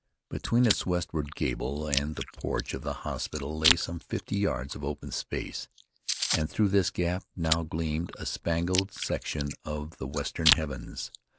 Between its westward gable end and the porch of the hospital lay some fifty yards of open space, and through this gap now gleamed a spangled section of the western heavens.